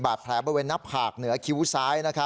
บาดแผลบ้างประเวณนับหากเหนือคิ้วซ้าย